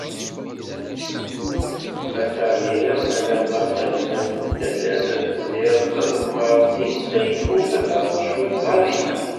Ad taliḍ alamma d talemmast n taddert, ad tezziḍ s azelmaḍ, syin s ayeffus, ad ternuḍ cwiṭ, dɣa dinna.